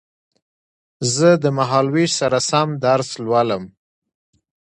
زه د مهال وېش سره سم درس لولم